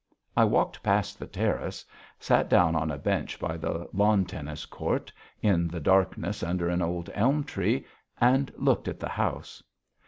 I walked past the terrace, sat down on a bench by the lawn tennis court, in the darkness under an old elm tree, and looked at the house.